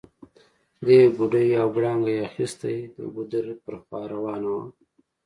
دې ګوډی او غړانګۍ اخيستي، د ګودر پر خوا روانه وه